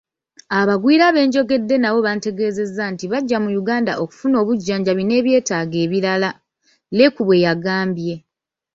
“Abagwira benjogeddeko nabo bantegeezezza nti bajja mu Uganda okufuna obujjanjabi n'ebyetaago ebirala,” Leku bweyagambye.